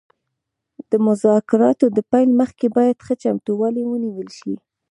د مذاکراتو د پیل مخکې باید ښه چمتووالی ونیول شي